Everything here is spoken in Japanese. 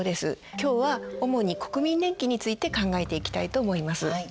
今日は主に国民年金について考えていきたいと思います。